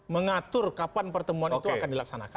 mengatur kapan pertemuan itu akan dilaksanakan